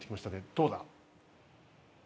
どうだ？